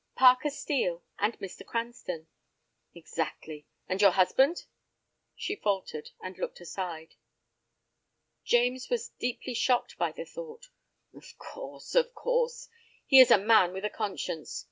"Parker Steel and Mr. Cranston." "Exactly. And your husband?" She faltered, and looked aside. "James was deeply shocked by the thought." "Of course—of course. He is a man with a conscience.